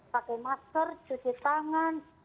pakai masker cuci tangan